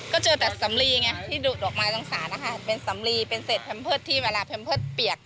ก็เจอแต่สำลีไงที่ดูดออกมาตรงศาลนะคะเป็นสำลีเป็นเศษแพมเพิร์ตที่เวลาแพมเพิร์ตเปียก